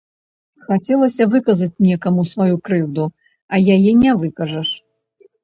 Хацелася выказаць некаму сваю крыўду, а яе не выкажаш.